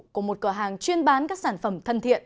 của một cửa hàng chuyên bán các sản phẩm thân thiện